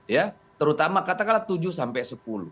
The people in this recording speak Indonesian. ya terutama katakanlah tujuh sampai sepuluh